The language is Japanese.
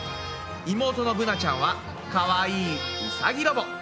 妹のぶなちゃんはかわいいうさぎロボ。